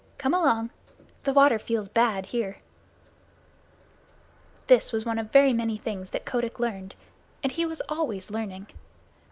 Come along! The water feels bad here." This was one of very many things that Kotick learned, and he was always learning.